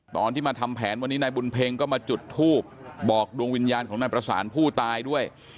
ตอนที่มาทำแผนวันนี้นายบุญเพ็งก็มาจุดทูบบอกดวงวิญญาณของนายประสานผู้ตายด้วย